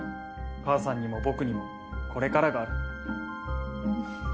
母さんにも僕にもこれからがある。